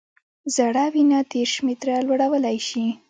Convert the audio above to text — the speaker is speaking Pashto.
زړه وینه دېرش متره لوړولی شي.